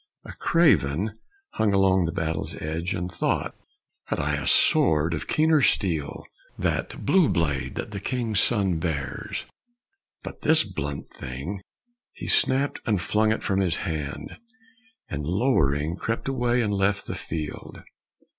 A craven hung along the battle's edge, And thought, "Had I a sword of keener steel That blue blade that the king's son bears, but this Blunt thing !" he snapt and flung it from his hand, And lowering crept away and left the field.